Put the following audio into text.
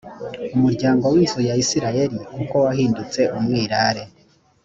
umuryango w inzu ya isirayeli kuko wahindutse umwirare